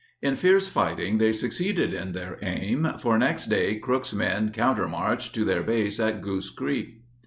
In fierce fight ing they succeeded in their aim, for next day Crook's men countermarched to their base at Goose Creek.